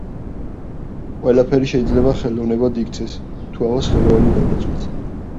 ყველაფერი შეიძლება ხელოვნებად იქცეს თუ ამას ხელოვანი გადაწყვეტს.